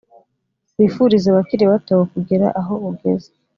wifurize abakiri bato kugera aho ugeze